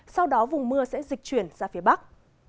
sau đó vùng mưa sẽ dịch chuyển ra phía bắc